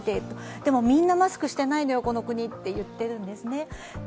でもみんなマスクをしてないんだよ、この国、と言ってるんですね。